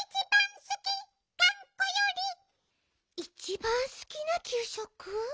いちばんすきなきゅうしょく？